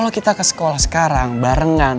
kalau kita ke sekolah sekarang barengan